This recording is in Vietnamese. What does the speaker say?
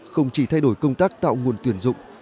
không chỉ thay đổi công tác tạo nguồn tuyển dụng